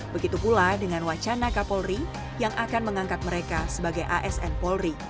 begitu pula dengan wacana kapolri yang akan mengangkat mereka sebagai asn polri